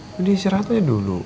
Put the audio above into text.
kau di istirahat aja dulu